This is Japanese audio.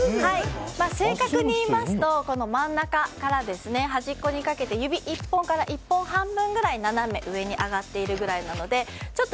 正確にいいますと、真ん中から端っこにかけて指１本から１本半分くらい斜め上に上がっているぐらいなのでちょっと